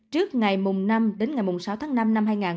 trước ngày năm sáu tháng năm năm hai nghìn hai mươi